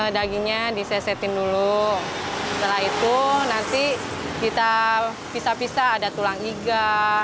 dagingnya disesetin dulu setelah itu nanti kita pisah pisah ada tulang iga